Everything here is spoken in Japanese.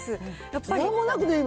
やっぱり。